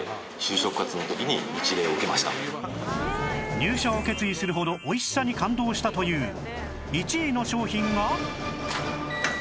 入社を決意するほど美味しさに感動したという１位の商品が